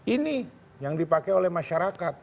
ini yang dipakai oleh masyarakat